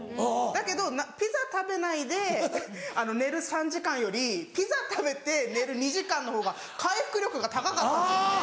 だけどピザ食べないで寝る３時間よりピザ食べて寝る２時間のほうが回復力が高かったんですよ。